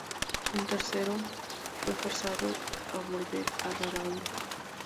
Un tercero fue forzado a volver a Rabaul.